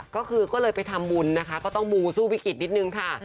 ก็คือก็เลยไปทำบุญนะคะก็ต้องมูสู้วิกฤตนิดนึงค่ะ